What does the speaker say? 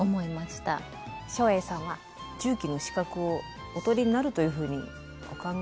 照英さんは重機の資格をお取りになるというふうにお考え。